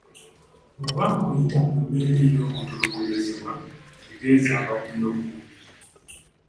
Bw’oba ng’oyita mu mbeera ey’okutulugunyizibwa, tegeeza abakuli okumpi.